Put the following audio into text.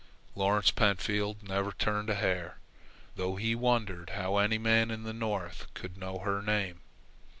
Lawrence Pentfield never turned a hair, though he wondered how any man in the North could know her name.